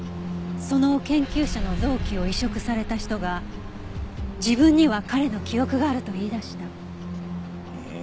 その研究者の臓器を移植された人が自分には彼の記憶があると言いだした。